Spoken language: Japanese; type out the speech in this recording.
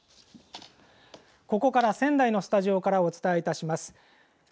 ここから仙台のスタジオからお伝えいたします。